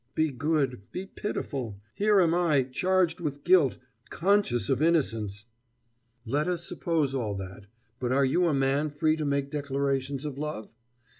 Be good be pitiful. Here am I, charged with guilt, conscious of innocence " "Let us suppose all that, but are you a man free to make declarations of love?